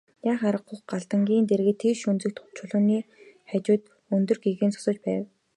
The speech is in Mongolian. Яах аргагүй Галдангийн дэргэд тэгш өнцөгт чулууны хажууд өндөр гэгээн зогсож байв.